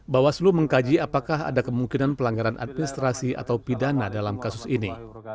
bawaslu mengkaji apakah ada kemungkinan pelanggaran administrasi atau pidana dalam kasus ini